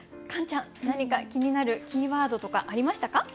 カンちゃん何か気になるキーワードとかありましたか？